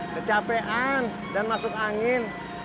kecapean dan masuk angin